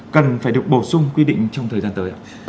cần phải được bổ sung quy định trong thời gian tới ạ